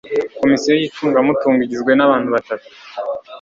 komisiyo y'icungamutungo igizwe n'abantu batatu